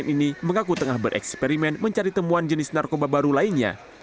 pemuda yang berusia sepuluh tahun ini mengaku tengah bereksperimen mencari temuan jenis narkoba baru lainnya